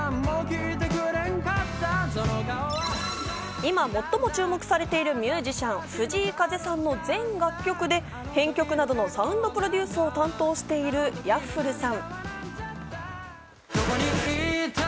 今、最も注目されているミュージシャン、藤井風さんの全楽曲で編曲などのサウンドプロデュースを担当しているＹａｆｆｌｅさん。